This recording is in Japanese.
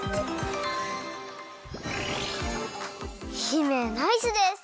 姫ナイスです！